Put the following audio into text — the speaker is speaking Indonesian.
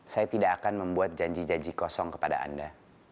saya tidak akan membuat janji janji kosong kepada anda